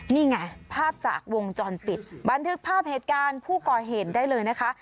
นี่ไงภาพจากวงจรปิดบันทึกภาพเหตุการณ์ผู้ก่อเหตุได้เลยนะคะ